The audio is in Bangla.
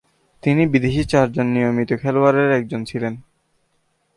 তিনি বিদেশী চারজন নিয়মিত খেলোয়াড়ের একজন ছিলেন।